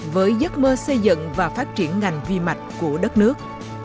với giấc mơ xây dựng và phát triển ngành vi mạch của đất nước